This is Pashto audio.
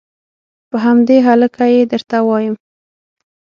په همدې هلکه یې درته وایم.